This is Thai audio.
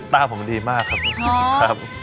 ตาผมดีมากครับ